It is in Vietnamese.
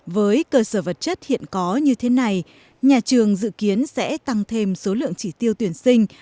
với cơ sở vật chất hiện có như thế này nhà trường dự kiến sẽ tăng thêm số lượng chỉ tiêu tuyển sinh